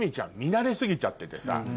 慣れ過ぎちゃっててさ。